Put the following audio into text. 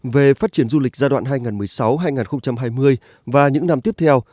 về phát triển du lịch giai đoạn hai nghìn một mươi sáu hai nghìn hai mươi và những năm tiếp theo